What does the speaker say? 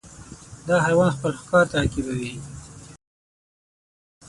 دا حیوان خپل ښکار تعقیبوي.